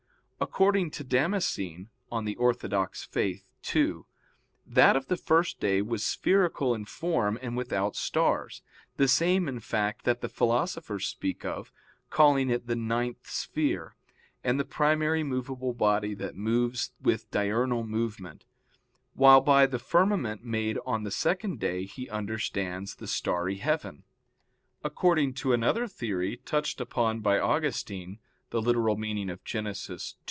According to Damascene (De Fide Orth. ii) that of the first day was spherical in form and without stars, the same, in fact, that the philosophers speak of, calling it the ninth sphere, and the primary movable body that moves with diurnal movement: while by the firmament made on the second day he understands the starry heaven. According to another theory, touched upon by Augustine [*Gen. ad lit.